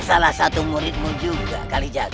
salah satu muridmu juga kali jaga